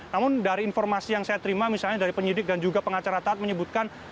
namun dari informasi yang saya terima misalnya dari penyidik dan juga pengacara taat menyebutkan